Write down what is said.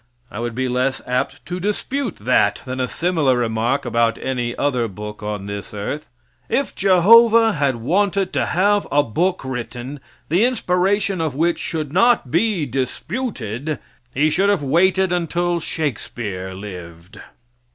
I would be less apt to dispute that than a similar remark about any other book on this earth. If Jehovah had wanted to have a book written, the inspiration of which should not be disputed, He should have waited until Shakespeare lived.